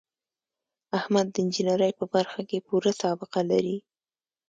احمد د انجینرۍ په برخه کې پوره سابقه لري.